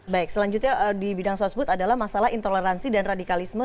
baik selanjutnya di bidang sosbud adalah masalah intoleransi dan radikalisme